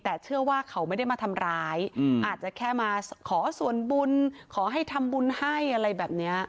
แต่เชื่อว่าเขาไม่ได้มาทำร้ายอาจจะแค่มาขอส่วนบุญขอให้ทำบุญให้อะไรแบบนี้